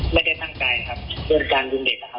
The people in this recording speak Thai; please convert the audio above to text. ไม่ได้ทางกายครับด้วยการยุ่มเด็กนะครับ